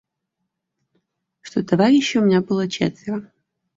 Что товарищей у меня было четверо: